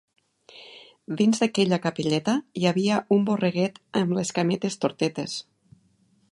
Dins d’aquella capelleta hi havia un borreguet amb les cametes tortetes.